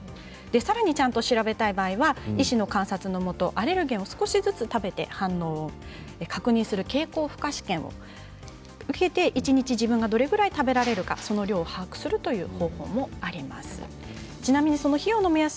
さらにちゃんと調べたい場合には医師の観察のもとアレルゲンを少しずつ食べて反応を確認する経口負荷試験を受けて一日自分がどれぐらい食べられるかその量を把握するという方法もあります。